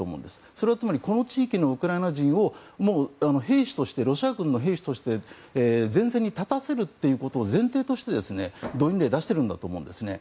それはつまりこの地域のウクライナ人をロシア軍の兵士として前線に立たせるということを前提として動員令を出しているんだと思うんですね。